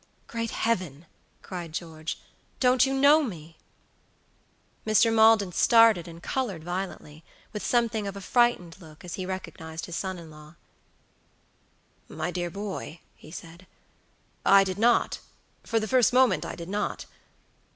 "Great Heaven!" cried George, "don't you know me?" Mr. Maldon started and colored violently, with something of a frightened look, as he recognized his son in law. "My dear boy," he said, "I did not; for the first moment I did not.